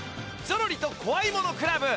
『ゾロリとこわいものクラブ』」